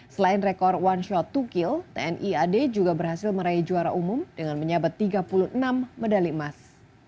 selain rekor one shot to kill tni ad juga berhasil meraih juara umum dengan menyabat tiga puluh enam medali emas